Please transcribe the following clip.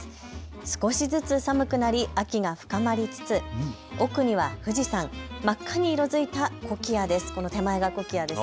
少しずつ寒くなり秋が深まりつつ奥には富士山、真っ赤に色づいたコキアです。